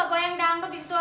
aduh ya allah